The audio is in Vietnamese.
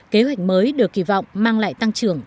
kế hoạch mới được kỳ vọng mang lại tăng trưởng